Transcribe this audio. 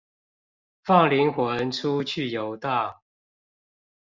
放靈魂出去遊蕩